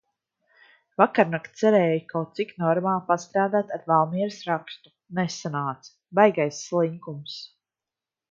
Vakarnakt cerēju kaut cik normāli pastrādāt ar Valmieras rakstu. Nesanāca. Baigais slinkums.